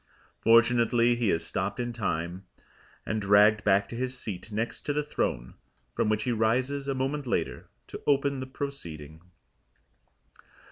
Fortunately he is stopped in time, and dragged back to his seat next to the throne, from which he rises a moment later to open the proceeding.